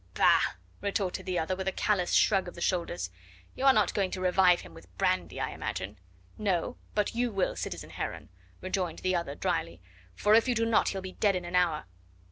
"Bah!" retorted the other with a callous shrug of the shoulders, "you are not going to revive him with brandy, I imagine." "No. But you will, citizen Heron," rejoined the other dryly, "for if you do not he'll be dead in an hour!"